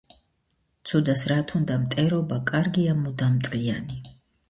ცუდას რათ უნდა მტერობა, კარგია მუდამ მტრიანი